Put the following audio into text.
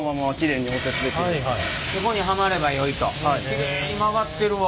きれいに曲がってるわ。